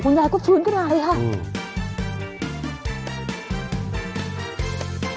คุณยายก็ฟื้นก็ได้อืม